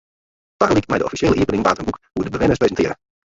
Tagelyk mei de offisjele iepening waard in boek oer de bewenners presintearre.